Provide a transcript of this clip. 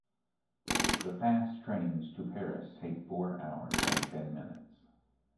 The fast trains to Paris take four hours and ten minutes.